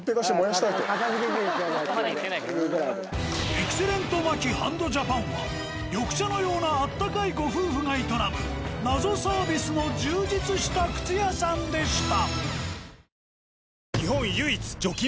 「エクセレントマキハンドジャパン」は緑茶のようなあったかいご夫婦が営む謎サービスの充実した靴屋さんでした。